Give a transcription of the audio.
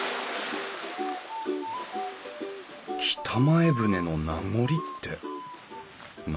北前船の名残って何だろう？